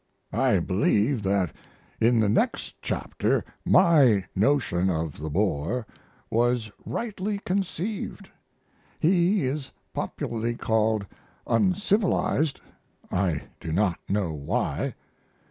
I believe that in the next chapter my notion of the Boer was rightly conceived. He is popularly called uncivilized; I do not know why.